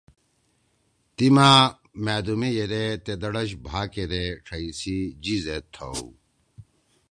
تیِما مأدُومے ییدے تے ڈڑش بھا کیدے ڇھئی سی جی زید تھؤ۔